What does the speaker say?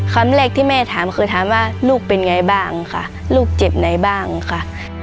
คำแรกที่แม่ถามคือถามว่าลูกเป็นไงบ้างค่ะลูกเจ็บไหนบ้างค่ะ